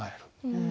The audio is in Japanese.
うん。